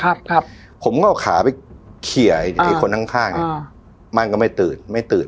ครับครับผมก็เอาขาไปเขี่ยไอ้ไอ้คนข้างข้างอ่ามั่งก็ไม่ตื่นไม่ตื่น